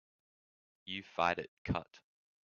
You fight it cut.